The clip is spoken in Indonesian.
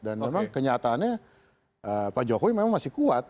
dan memang kenyataannya pak jokowi memang masih kuat